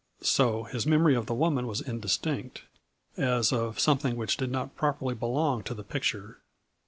So his memory of the woman was indistinct, as of something which did not properly belong to the picture.